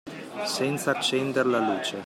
Senza accender la luce